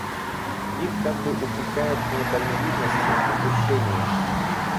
Их как бы упрекают в недальновидности, упущении.